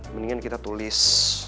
mendingan kita tulis